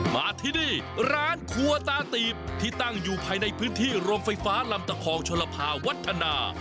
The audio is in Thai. มาที่นี่ร้านครัวตาตีบที่ตั้งอยู่ภายในพื้นที่โรงไฟฟ้าลำตะคองชลภาวัฒนา